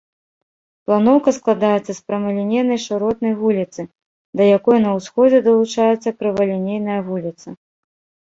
Планоўка складаецца з прамалінейнай шыротнай вуліцы, да якой на ўсходзе далучаецца крывалінейная вуліца.